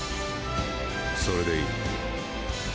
それでいい。